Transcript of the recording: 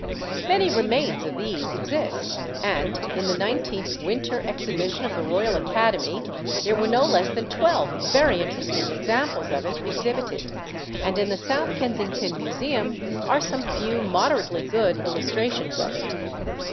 Many remains of these exist, and in the Nineteenth Winter Exhibition of the Royal Academy there were no less than twelve very interesting examples of it exhibited, and in the South Kensington Museum are some few moderately good illustrations of it.